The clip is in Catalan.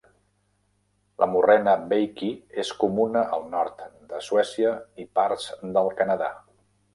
La morrena veiki és comuna al nord de Suècia i parts del Canadà.